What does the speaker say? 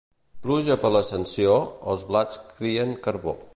Pluja per l'Ascensió, els blats crien carbó.